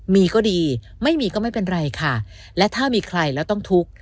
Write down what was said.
มีก็ดีไม่มีก็ไม่เป็นไรค่ะและถ้ามีใครแล้วต้องทุกข์